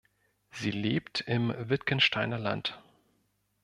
Sie lebt im Wittgensteiner Land.